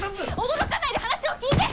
驚かないで話を聞いて！